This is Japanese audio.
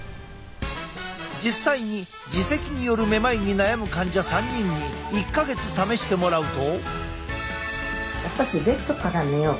実際に耳石によるめまいに悩む患者３人に１か月試してもらうと。